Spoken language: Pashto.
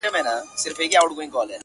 لا خو دي ډکه ده لمن له مېړنو زامنو -